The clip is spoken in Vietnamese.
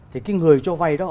thì cái người cho vay đó